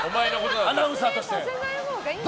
アナウンサーとして。